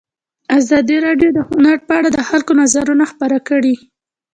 ازادي راډیو د هنر په اړه د خلکو نظرونه خپاره کړي.